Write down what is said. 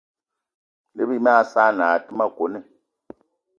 Ne bí mag saanì aa té ma kone.